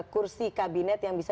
kursi kabinet yang bisa